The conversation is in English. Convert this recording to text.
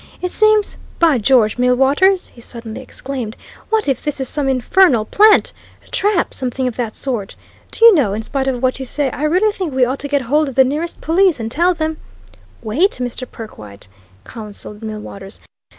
It seems by George, Millwaters," he suddenly exclaimed, "what if this is some infernal plant trap something of that sort? Do you know, in spite of what you say, I really think we ought to get hold of the nearest police and tell them " "Wait, Mr. Perkwite!" counselled Millwaters.